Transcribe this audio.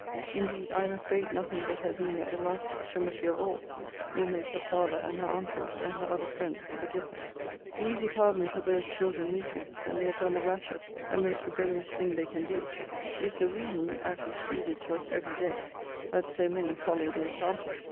Indeed I am afraid nothing but her being at the last extremity of all will make her father, and her uncles, and her other friends, forgive her. The easy pardon perverse children meet with, when they have done the rashest and most rebellious thing they can do, is the reason (as is pleaded to us every day) that so may follow their example.